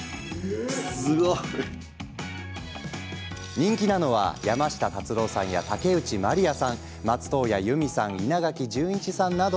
人気なのは山下達郎さんや竹内まりやさん、松任谷由実さん稲垣潤一さんなど。